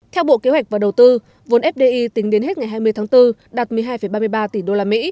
theo bộ kế hoạch và đầu tư vốn fdi tính đến hết ngày hai mươi tháng bốn đạt một mươi hai ba mươi ba tỷ usd